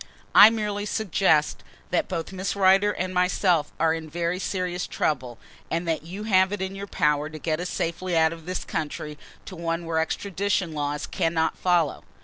"I merely suggest that both Miss Rider and myself are in very serious trouble and that you have it in your power to get us safely out of this country to one where extradition laws cannot follow."